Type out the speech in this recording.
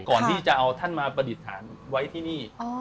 ก่อนที่จะเอาท่านมาประดิษฐานไว้ที่นี่